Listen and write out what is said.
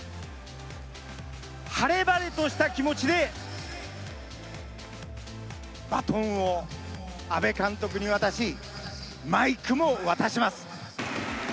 晴れ晴れとした気持ちでバトンを阿部監督に渡し、マイクも渡しま